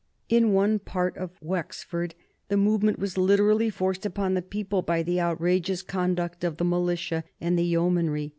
In one part of Wexford the movement was literally forced upon the people by the outrageous conduct of the militia and the yeomanry.